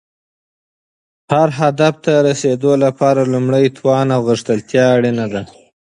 هر هدف ته رسیدو لپاره لومړی توان او غښتلتیا اړینه ده.